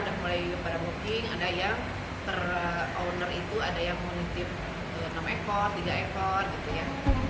ada mulai pada booking ada yang ter owner itu ada yang menitip enam ekor tiga ekor gitu ya